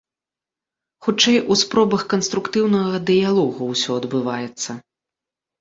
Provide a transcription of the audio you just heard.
Хутчэй, у спробах канструктыўнага дыялогу ўсё адбываецца.